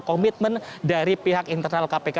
komitmen dari pihak internal kpk